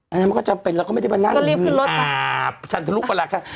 อันนั้นมันก็จำเป็นแล้วก็ไม่ได้มานั่งก็รีบขึ้นรถอ่ะอ่าจันทรุปราคา